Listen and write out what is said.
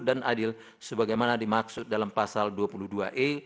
adil sebagaimana dimaksud dalam pasal dua puluh dua e